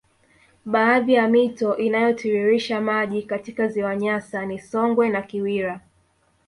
Baadhi ya mito inayotiririsha maji katika ziwa Nyasa ni Songwe na Kiwira